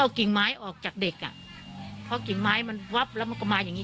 กิ่งไม้ออกจากเด็กอ่ะเพราะกิ่งไม้มันวับแล้วมันก็มาอย่างงี